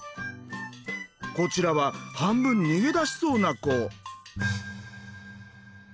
こちらは半分逃げ出しそうな子。